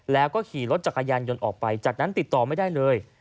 แล้วก็ขี่รถจักรยานยนต์ออกไปจากนั้นติดต่อไม่ได้เลย